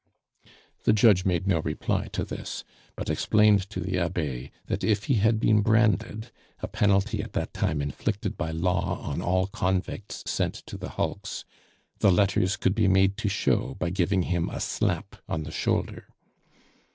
The judge made no reply to this, but explained to the Abbe that if he had been branded, a penalty at that time inflicted by law on all convicts sent to the hulks, the letters could be made to show by giving him a slap on the shoulder.